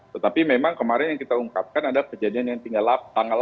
tetapi memang kemarin yang kita ungkapkan ada kejadian yang tinggal tanggal delapan